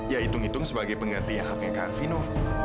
ya hitung hitung sebagai pengganti yang haknya kakak vino